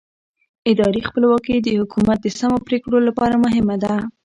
اداري خپلواکي د حکومت د سمو پرېکړو لپاره مهمه ده